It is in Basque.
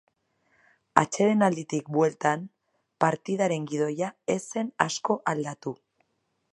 Atsedenalditik bueltan partidaren gidoia ez zen asko aldatu.